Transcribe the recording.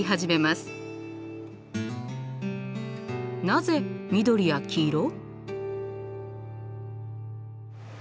なぜ緑や黄色？